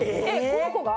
この子が？